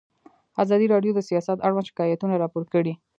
ازادي راډیو د سیاست اړوند شکایتونه راپور کړي.